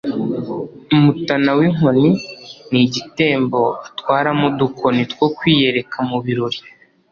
. Umutana w’inkoni: Ni igitembo batwaramo udukoni two kwiyereka mu birori